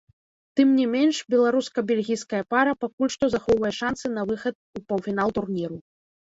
Тым не менш, беларуска-бельгійская пара пакуль што захоўвае шанцы на выхад у паўфінал турніру.